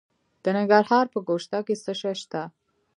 د ننګرهار په ګوشته کې څه شی شته؟